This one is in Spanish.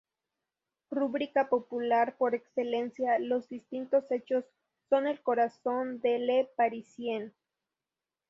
Rúbrica popular por excelencia, los distintos hechos son el corazón de Le Parisien.